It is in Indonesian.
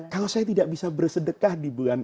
kalau saya tidak bisa bersedekah di bulan